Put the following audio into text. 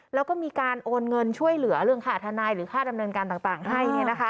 แล้วก็มีการโอนเงินช่วยเหลือเรื่องค่าทนายหรือค่าดำเนินการต่างให้